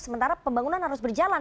sementara pembangunan harus berjalan